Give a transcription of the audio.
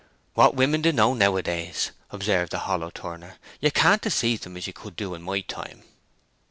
"What women do know nowadays!" observed the hollow turner. "You can't deceive 'em as you could in my time."